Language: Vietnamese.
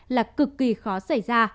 là cực kỳ khó xảy ra